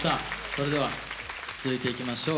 それでは続いていきましょう。